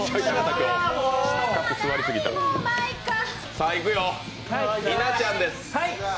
さあいくよ、稲ちゃんです。